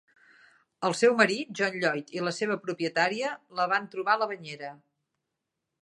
El seu marit, John Lloyd, i la seva propietària la van trobar a la banyera.